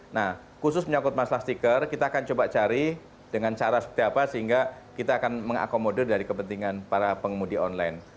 nah khusus menyangkut masalah stiker kita akan coba cari dengan cara seperti apa sehingga kita akan mengakomodir dari kepentingan para pengemudi online